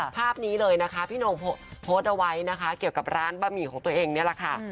ภาพนี้เลยนะคะพี่โน่งโพสต์เอาไว้นะคะเกี่ยวกับร้านบะหมี่ของตัวเองนี่แหละค่ะ